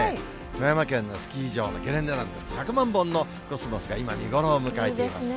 富山県のスキー場のゲレンデなんですけれども、１００万本のコスモスが今、見頃を迎えています。